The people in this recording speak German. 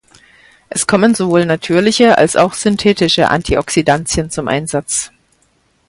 Es kommen sowohl natürliche als auch synthetische Antioxidantien zum Einsatz.